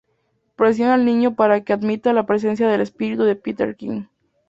Presiona al niño para que admita la presencia del espíritu de Peter Quint.